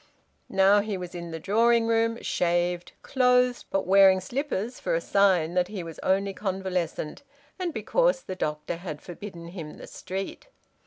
Now he was in the drawing room, shaved, clothed, but wearing slippers for a sign that he was only convalescent, and because the doctor had forbidden him the street.